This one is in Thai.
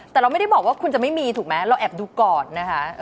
แต่เราไม่ได้บอกว่าคุณจะไม่มีถูกไหมเราแอบดูก่อนนะคะ